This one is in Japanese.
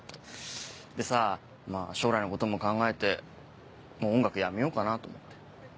でさまぁ将来のことも考えてもう音楽やめようかなと思って。